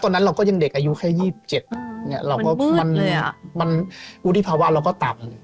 ตอนนั้นเราก็ยังเด็กอายุแค่๒๗มันอุติภาวะเราก็ต่ำ